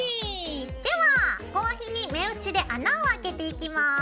では合皮に目打ちで穴をあけていきます。